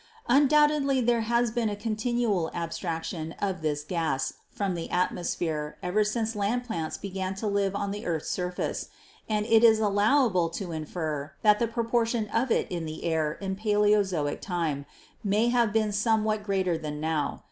Undoubtedly there has been a continual abstraction of this gas from the atmosphere ever since land plants began to live on the earth's surface, and it is allowable to infer that the proportion of it in the air in Paleozoic time may have been somewhat greater than now.